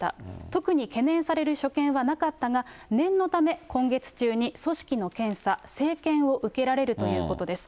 特に懸念される所見はなかったが、念のため、今月中に組織の検査・生検を受けられるということです。